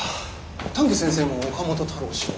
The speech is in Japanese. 丹下先生も岡本太郎氏を？